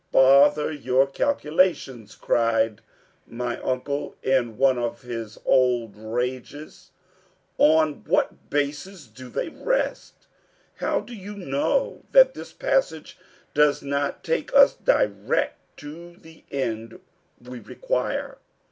"Bother your calculations," cried my uncle in one of his old rages. "On what basis do they rest? How do you know that this passage does not take us direct to the end we require?